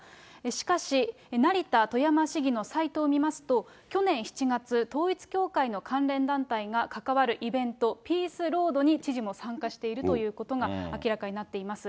しかし、成田富山市議のサイトを見ますと、去年７月、統一教会の関連団体が関わるイベント、ピースロードに知事も参加しているということが明らかになっています。